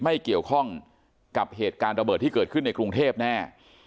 ไม่เกี่ยวข้องกับเหตุการณ์ระเบิดที่เกิดขึ้นในกรุงเทพแน่